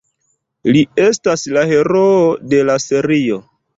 Li estas la heroo de la serio.